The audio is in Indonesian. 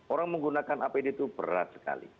orang menggunakan apd itu berat sekali